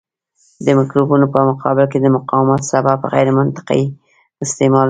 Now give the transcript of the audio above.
د مکروبونو په مقابل کې د مقاومت سبب غیرمنطقي استعمال دی.